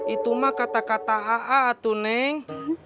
itu mah kata kata aa tuh neng